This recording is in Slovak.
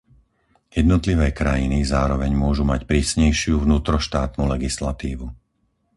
Jednotlivé krajiny zároveň môžu mať prísnejšiu vnútroštátnu legislatívu.